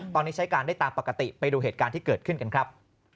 ตอนนี้ใช้การได้ตามปกติไปดูเหตุการณ์ที่เกิดขึ้นกันครับ